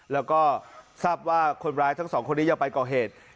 แล้วก็ทราบว่าคนร้ายทั้งสองคนนี้ยังไปก่อเหตุ